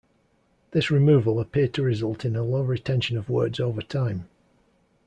This removal appeared to result in a low retention of words over time.